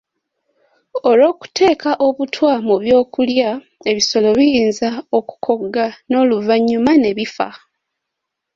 Olw'okuteeka obutwa mu by'okulya, ebisolo biyinza okukogga n'oluvannyuma ne bifa.